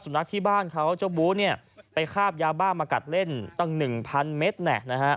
นักที่บ้านเขาเจ้าบู๊เนี่ยไปคาบยาบ้ามากัดเล่นตั้ง๑๐๐เมตร